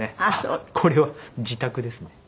あっこれは自宅ですね。